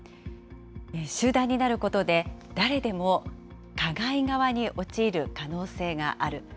集団になることで、誰でも加害側に陥る可能性がある。